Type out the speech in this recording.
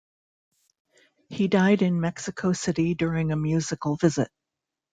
He died in Mexico City during a musical visit.